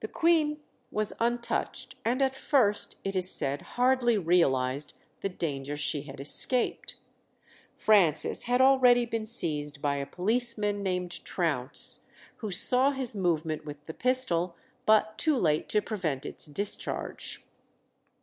The Queen was untouched, and at first, it is said, hardly realized the danger she had escaped. Francis had already been seized by a policeman named Trounce, who saw his movement with the pistol, but too late to prevent its discharge.